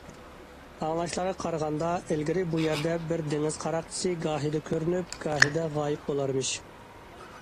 ئاڭلاشلارغا قارىغاندا ئىلگىرى بۇ يەردە بىر دېڭىز قاراقچىسى گاھىدا كۆرۈنۈپ، گاھىدا غايىب بۇلارمىش.